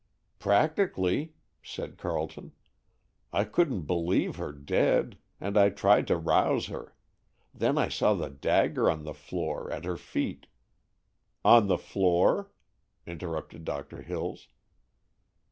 "Practically," said Carleton. "I couldn't believe her dead. And I tried to rouse her. Then I saw the dagger on the floor at her feet——" "On the floor?" interrupted Doctor Hills.